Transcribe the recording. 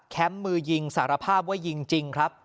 มือยิงสารภาพว่ายิงจริงครับ